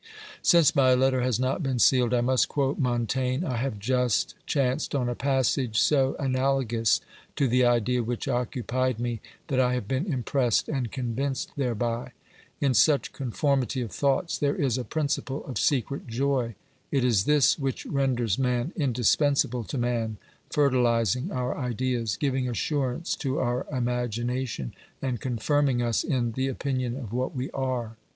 Since my letter has not been sealed, I must quote Montaigne. I have just chanced on a passage so ana logous to the idea which occupied me that I have been impressed and convinced thereby. In such comformity of thoughts there is a principle of secret joy ; it is this which renders man indispensable to man, fertilising our ideas, giving assurance to our imagination, and confirming us in the opinion of what we are.